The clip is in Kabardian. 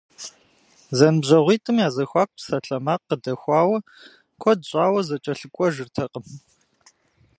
Зэныбжьэгъуитӏым я зэхуаку псалъэмакъ къыдэхуауэ, куэд щӏауэ зэкӏэлъыкӏуэжыртэкъым.